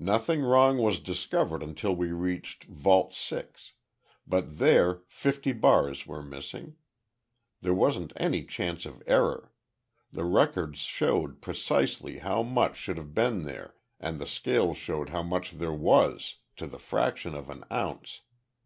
Nothing wrong was discovered until we reached Vault Six, but there fifty bars were missing. There wasn't any chance of error. The records showed precisely how much should have been there and the scales showed how much there was, to the fraction of an ounce.